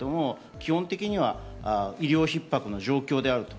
基本的には医療逼迫の状況であると。